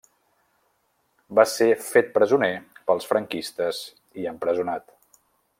Va ser fet presoner pels franquistes i empresonat.